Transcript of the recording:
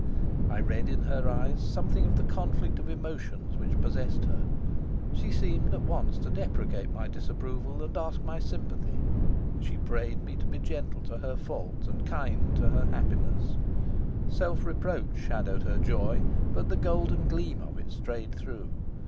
I read in her eyes something of the conflict of emotions which possessed her; she seemed at once to deprecate my disapproval and to ask my sympathy; she prayed me to be gentle to her fault and kind to her happiness; self reproach shadowed her joy, but the golden gleam of it strayed through.